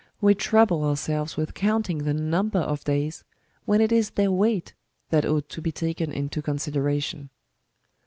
"We trouble ourselves with counting the numher of days, when it is their weight^ that ought to be taken into consideration.